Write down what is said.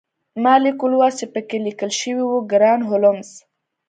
ما لیک ولوست چې پکې لیکل شوي وو ګران هولمز